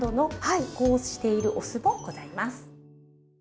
加工しているお酢もございます。